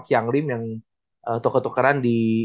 qiang lim yang tuker tukeran di